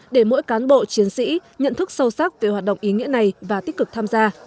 để mỗi cán bộ chiến sĩ nhận thức sâu sắc về hoạt động ý nghĩa này và tích cực tham gia